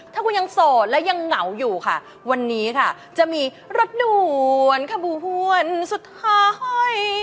ถ้าคุณยังโสดและยังเหงาอยู่ค่ะวันนี้ค่ะจะมีรถด่วนขบูห้วนสุดท้าย